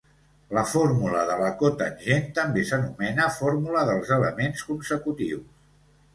La fórmula de la cotangent també s'anomena fórmula dels elements consecutius.